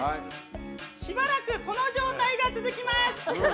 しばらくこの状態が続きます。